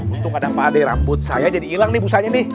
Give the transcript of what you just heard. untung ada pak deh rambut saya jadi ilang nih busanya nih